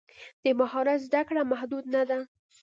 د مهارت زده کړه محدود نه ده.